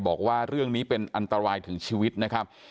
บอกว่าเรื่องนี้เป็นอันตรายถึงชีวิตนะครับ